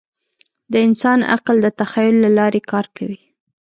د انسان عقل د تخیل له لارې کار کوي.